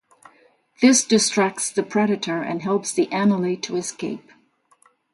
This distracts the predator and helps the anole to escape.